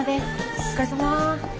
お疲れさま。